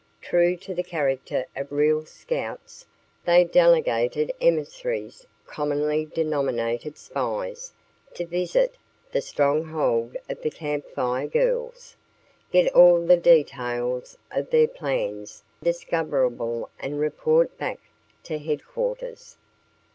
True to the character of real scouts they delegated emissaries, commonly denominated spies, to visit the stronghold of the Camp Fire Girls, get all the details of their plans discoverable and report back to headquarters.